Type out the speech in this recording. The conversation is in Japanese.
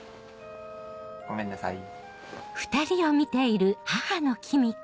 ごめんなさい。